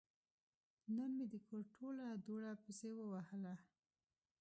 نن مې د کور ټوله دوړه پسې ووهله.